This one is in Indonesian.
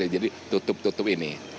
jadi tutup tutup ini